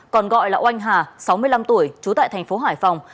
còn gọi là oanh hà sáu mươi năm tuổi trú tại thành phố hải phòng